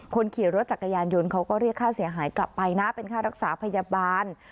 คนขี่รถจักรยานยนต์เขาก็เรียกค่าเสียหายกลับไปนะเป็นค่ารักษาพยาบาล